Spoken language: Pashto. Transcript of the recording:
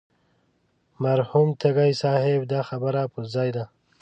مرحوم تږي صاحب دا خبره پر ځای ده.